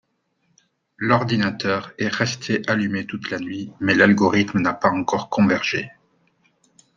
L'ordinateur est resté allumé toute la nuit mais l'algorithme n'a pas encore convergé